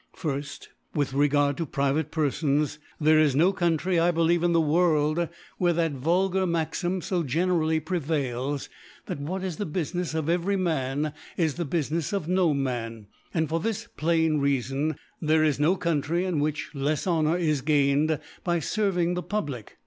Firftj With Regard to private Perfons, there is no Country, I believe, in the World, where that vulgar Maxim fo generally pre vails, that what is the Bufmcfs ofevery Man is the Bufinefs of no Man •, and for this plain Reafon, that there is no Country in which lefs Honour is gained by ferving the Public.